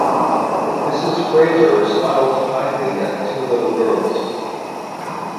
Mrs. Fraser smiled kindly at the two little girls.